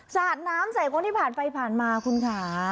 สาดน้ำใส่คนที่ผ่านไปผ่านมาคุณค่ะ